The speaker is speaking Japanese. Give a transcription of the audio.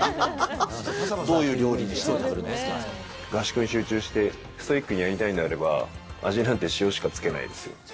どういう料理を調理してくれ合宿に集中して、ストイックにやりたいのであれば、味なんて塩しかつけないですよ。